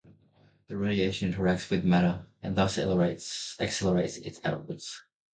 The radiation interacts with matter and thus accelerates it outwards.